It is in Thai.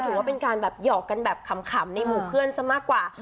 ถือว่าเป็นการแบบหยอกกันแบบขำในหมู่เพื่อนซะมากกว่า